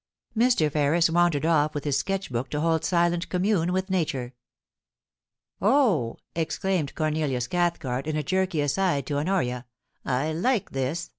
Mr. Ferris wandered off with his sketch book to hold silent commune with nature. * Oh '/ exclaimed Cornelius Cathcart, in a jerky aside to Honoria, * I like this.